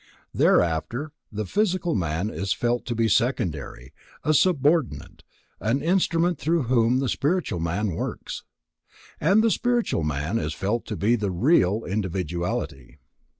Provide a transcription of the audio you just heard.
Thereafter the physical man is felt to be a secondary, a subordinate, an instrument through whom the spiritual man works; and the spiritual man is felt to be the real individuality.